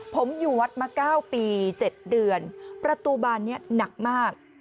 ผมอยู่วัดมา๙ปี๗เดือนประตูบานนี้หนักมาก